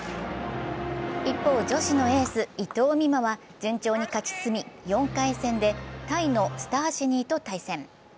一方、女子のエース・伊藤美誠は順調に勝ち進み４回戦でタイのスターシニーと対戦。